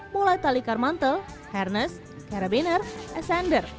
mulai tali karmantel harness carabiner ascender